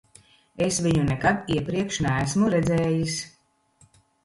Es viņu nekad iepriekš neesmu redzējis.